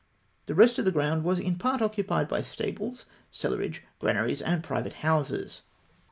The rest of the ground was in part occupied by stables, cellarage, granaries, and private houses.